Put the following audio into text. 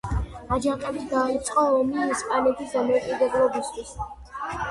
აჯანყებით დაიწყო ომი ესპანეთის დამოუკიდებლობისათვის.